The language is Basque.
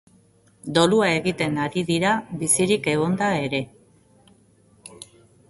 Dolua egiten ari dira bizirik egonda ere.